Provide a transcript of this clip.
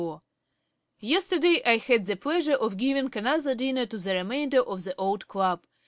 Yesterday I had the pleasure of giving another dinner to the remainder of the old club.